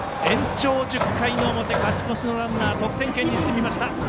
延長１０回の表勝ち越しのランナーが得点圏に進みました。